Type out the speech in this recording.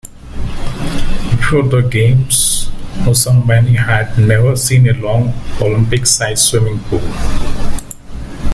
Before the Games Moussambani had never seen a long Olympic-size swimming pool.